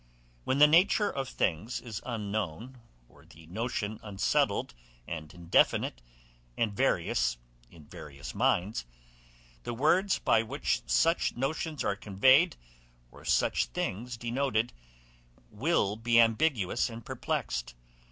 When the nature of things is unknown, or the notion unsettled and indefinite, and various in various minds, the words by which such notions are conveyed, or such things denoted, will be ambiguous and perplexed.